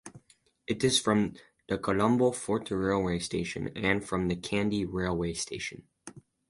It is from the Colombo Fort Railway Station and from the Kandy Railway Station.